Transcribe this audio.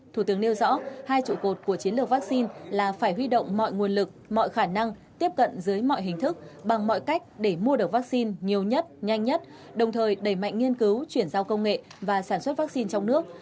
thủ tướng nêu rõ hai trụ cột của chiến lược vaccine là phải huy động mọi nguồn lực mọi khả năng tiếp cận dưới mọi hình thức bằng mọi cách để mua được vaccine nhiều nhất nhanh nhất đồng thời đẩy mạnh nghiên cứu chuyển giao công nghệ và sản xuất vaccine trong nước